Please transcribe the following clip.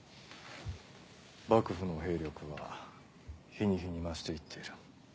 幕府の兵力は日に日に増して行っている。